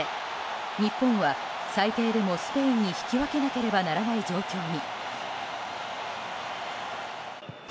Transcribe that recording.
日本は最低でもスペインに引き分けなければならない状況に。